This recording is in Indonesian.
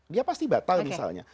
dia pasti batal misalnya